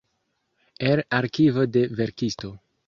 El arkivo de verkisto.